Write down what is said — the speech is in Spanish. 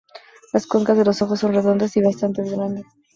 Las cuencas de los ojos son redondas y bastante grandes.